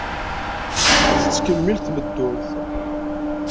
Tettkemmil tmeddurt.